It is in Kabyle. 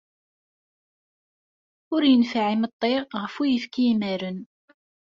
Ur yenfiɛ imeṭṭi ɣef uyefki imaren.